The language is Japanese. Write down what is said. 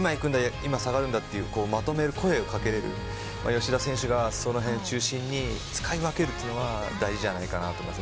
今下がるんだというまとめの声をかけれる吉田選手がそのへん中心に使い分けるというのが大事じゃないかなと思います。